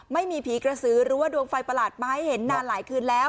ไม่มีผีกระสือหรือว่าดวงไฟประหลาดมาให้เห็นนานหลายคืนแล้ว